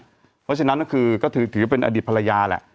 เพราะฉะนั้นก็คือก็ถือเป็นอดีตภรรยาแหละ